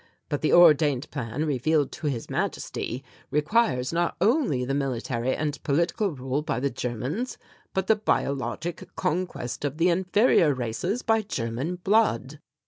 But the ordained plan revealed to His Majesty requires not only the military and political rule by the Germans, but the biologic conquest of the inferior races by German blood."